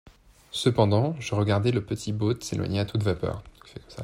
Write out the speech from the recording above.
Cependant, je regardais le petit boat s’éloigner à toute vapeur.